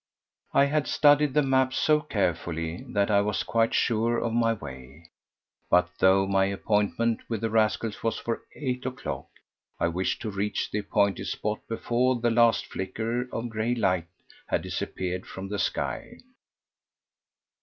I had studied the map so carefully that I was quite sure of my way, but though my appointment with the rascals was for eight o'clock, I wished to reach the appointed spot before the last flicker of grey light had disappeared from the sky.